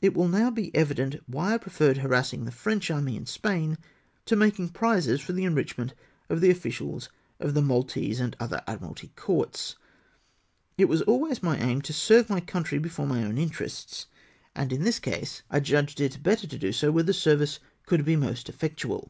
It will now be evident why I preferred harassing the French army in Spain to making prizes for the enrichment of the officials of the Maltese and other Admiralty courts. It was always my aim to serve my country before my own interests, and in this case I 334 MOTIVES FOR LEAVING. judged it better to do so where the service could be most effectual.